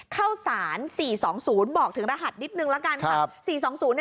เข้าสาร๔๒๐บอกถึงรหัสนิดนึงละกันค่ะ